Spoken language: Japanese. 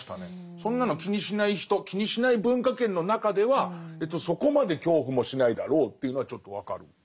そんなの気にしない人気にしない文化圏の中ではそこまで恐怖もしないだろうというのはちょっと分かる。